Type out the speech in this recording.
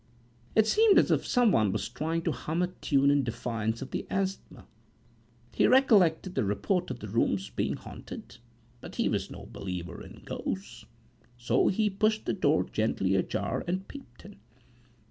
It seemed as if some one was trying to hum a tune in defiance of the asthma. He recollected the report of the room's being haunted; but he was no believer in ghosts. So he pushed the door gently ajar, and peeped in.